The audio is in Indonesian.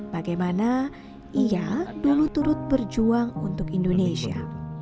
bagaimana ia dulu turut berjuang untuk indonesia